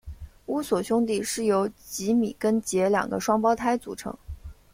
乌索兄弟是由吉米跟杰两个双胞胎组成。